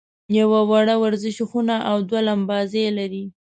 یوه وړه ورزشي خونه او دوه لمباځي لري.